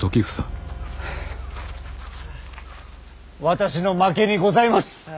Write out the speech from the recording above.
私の負けにございます。